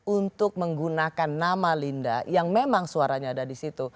untuk menggunakan nama linda yang memang suaranya ada di situ